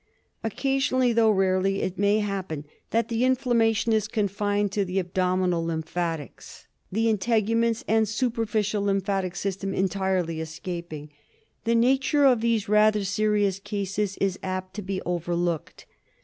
Occasionally, though rarely, it may happen that the inflammation is confined to the abdominal lymphatics, the integuments and superficial lymphatic system entirely escaping. The nature of these rather serious cases is apt to be overlooked.